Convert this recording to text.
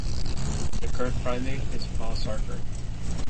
The current Primate is Paul Sarker.